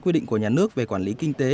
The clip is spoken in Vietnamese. quy định của nhà nước về quản lý kinh tế